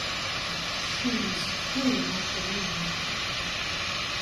Shoes flew about the room.